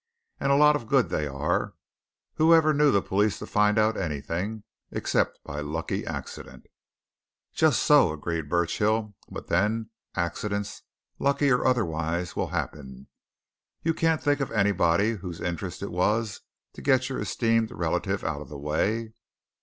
"And a lot of good they are. Whoever knew the police to find out anything, except by a lucky accident?" "Just so," agreed Burchill. "But then accidents, lucky or otherwise, will happen. You can't think of anybody whose interest it was to get your esteemed relative out of the way?"